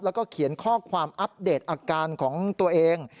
แล้วก็เขียนข้อความอัปเดตอาการของตัวเอง